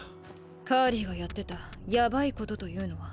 カーリーがやってたヤバイことというのは？